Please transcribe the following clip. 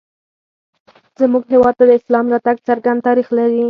زموږ هېواد ته د اسلام راتګ څرګند تاریخ لري